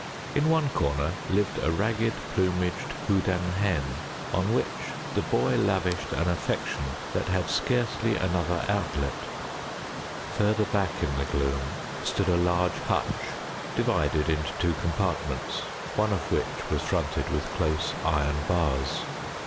In one corner lived a ragged plumaged Houdan hen, on which the boy lavished an affection that had scarcely another outlet. Further back in the gloom stood a large hutch, divided into two compartments, one of which was fronted with close iron bars.